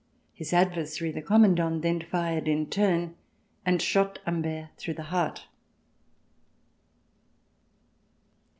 His adversary, the Commandant, then fired in turn and shot Humbert through the heart.